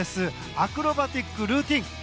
アクロバティックルーティン。